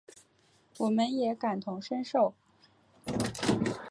我们也感同身受